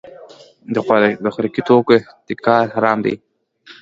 د خوراکي توکو احتکار حرام دی.